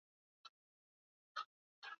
Kata mia moja sabini na tisa